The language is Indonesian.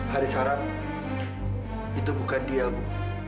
haris haram itu bukan dia bu